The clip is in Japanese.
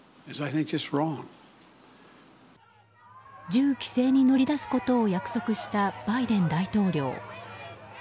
銃規制に乗り出すことを約束したバイデン大統領。